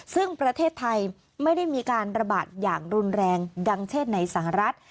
ซึ่งประเทศไทยไม่ได้มีการระบาดอย่างรุนแรงดังเช่นในสหรัฐ